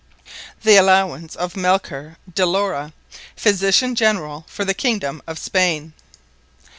_The Allowance of Melchor De Lara, Physitian Generall for the Kingdome of Spaine.